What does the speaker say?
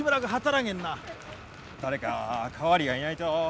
誰か代わりがいないと。